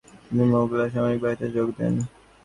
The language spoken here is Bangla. তিনি মোঘল সামরিক বাহিনীতে যোগ দেন।